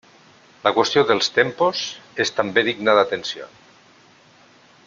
La qüestió dels tempos és també digna d'atenció.